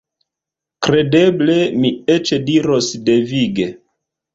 Kredeble; mi eĉ diros devige.